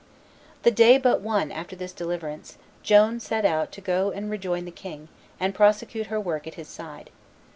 The day but one after this deliverance, Joan set out to go and rejoin the king, and prosecute her work at his side.